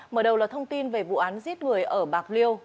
mở đầu là thông tin về vụ án giết người ở bạc liêu